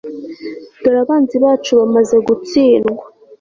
dore abanzi bacu bamaze gutsindwa